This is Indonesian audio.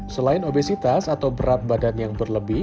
selain obesitas atau berat badan yang berlebih